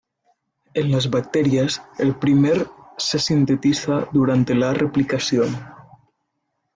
En las bacterias, el primer se sintetiza durante la replicación.